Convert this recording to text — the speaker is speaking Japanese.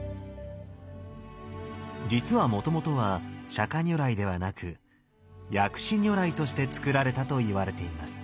実はもともとは釈如来ではなく薬師如来として造られたといわれています。